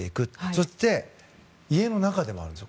そして、家の中でもあるんです。